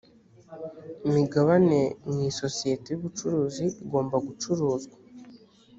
imigabane mu isosiyete y’ubucuruzi igomba gucuruzwa